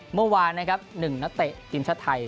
เมื่อวานนะครับหนึ่งนัตเตะจินชะไทย